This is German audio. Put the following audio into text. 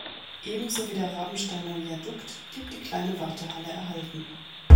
Ebenso wie der Rabensteiner Viadukt blieb die kleine Wartehalle erhalten.